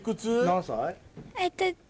何歳？